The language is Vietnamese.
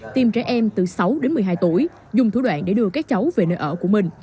tìm trẻ em từ sáu đến một mươi hai tuổi dùng thủ đoạn để đưa các cháu về nơi ở của mình